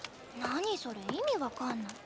何それ意味分かんない。